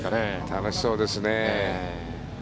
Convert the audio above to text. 楽しそうですね。